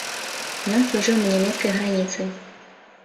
Ён служыў на нямецкай граніцы.